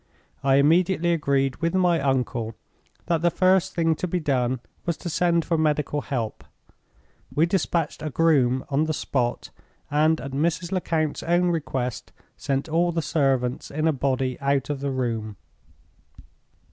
I immediately agreed with my uncle that the first thing to be done was to send for medical help. We dispatched a groom on the spot, and, at Mrs. Lecount's own request, sent all the servants in a body out of the room.